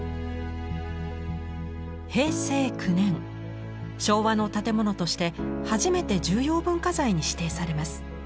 平成９年昭和の建物として初めて重要文化財に指定されます。